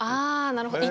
あなるほど。